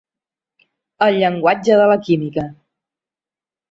El llenguatge de la química.